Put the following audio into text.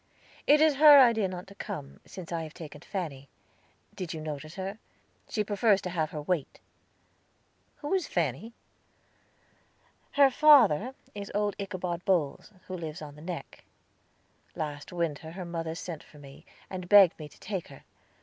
"It is her idea not to come, since I have taken Fanny. Did you notice her? She prefers to have her wait." "Who is Fanny?" "Her father is old Ichabod Bowles, who lives on the Neck. Last winter her mother sent for me, and begged me to take her.